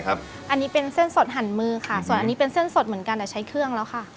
อันนี้เป็นเส้นสดหั่นมือค่ะส่วนอันนี้เป็นเส้นสดเหมือนกันแต่ใช้เครื่องแล้วค่ะ